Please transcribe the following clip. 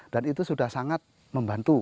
dan itu sudah sangat membantu